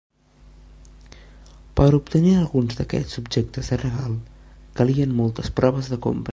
Per obtenir alguns d'aquests objectes de regal calien moltes proves de compra.